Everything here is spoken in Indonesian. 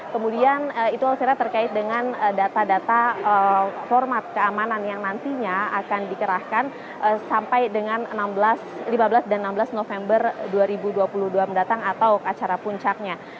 kemudian itu elvira terkait dengan data data format keamanan yang nantinya akan dikerahkan sampai dengan lima belas dan enam belas november dua ribu dua puluh dua mendatang atau acara puncaknya